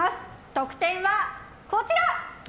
得点はこちら！